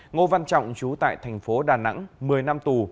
ngô văn trọng chú tại tp đà nẵng một mươi năm tù